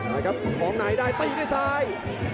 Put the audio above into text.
เอาล่ะครับหอมไหนได้ตีด้วยซ้าย